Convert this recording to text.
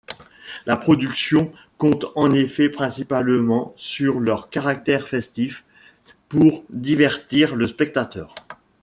La production compte en effet principalement sur leur caractère festif pour divertir le spectateur.